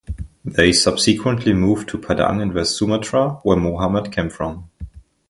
They subsequently moved to Padang in West Sumatra where Mohammad came from.